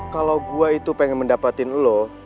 kalau gue itu pengen mendapatkan lo